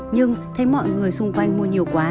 nhưng thấy mọi người xung quanh mua nhiều cơm